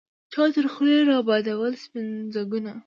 چا تر خولې را بادوله سپین ځګونه